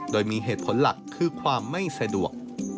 โดยมีเหตุผลหลักคือความไม่สะดวก